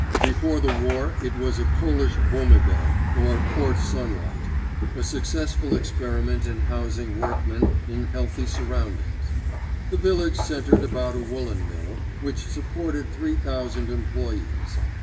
Before the war it was a Polish Boumeville or Port Sunlight—a successful experiment in housing workmen in healthy surroundings. The village centred about a woollen mill, which supported three thousand employees.